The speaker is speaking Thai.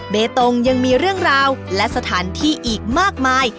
เบตงยังมีเรื่องราวและสถานที่อีกมากมาย